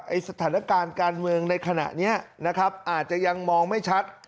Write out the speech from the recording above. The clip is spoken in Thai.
สถานการณ์การเมืองในขณะนี้นะครับอาจจะยังมองไม่ชัด